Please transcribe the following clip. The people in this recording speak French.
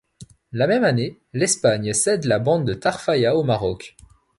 La même année, l'Espagne cède la bande de Tarfaya au Maroc.